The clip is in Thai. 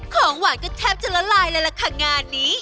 ของหวานก็แทบจะละลายเลยล่ะค่ะงานนี้